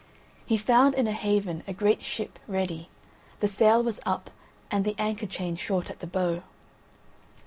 He found in a haven a great ship ready, the sail was up and the anchor chain short at the bow.